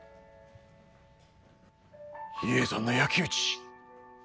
比叡山の焼き打ち。